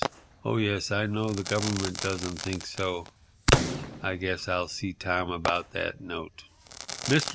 Oh, yes, I know the Government doesn't think so. I guess I'll see Tom about that note." Mr.